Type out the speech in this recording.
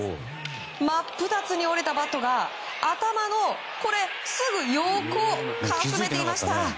真っ二つに折れたバットが頭のすぐ横をかすめていました。